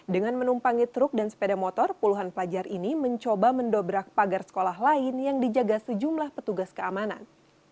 dengan menumpangi truk dan sepeda motor puluhan pelajar ini mencoba mendobrak pagar sekolah lain yang dijaga sejumlah petugas keamanan